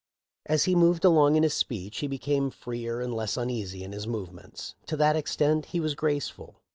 As he moved along in his speech he became freer and less uneasy in his movements ; to that extent he was graceful.